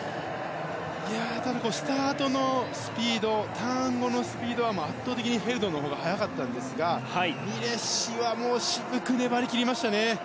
ただ、スタートのスピードターン後のスピードは圧倒的にヘルドのほうが速かったんですがミレッシは渋く粘り切りましたね。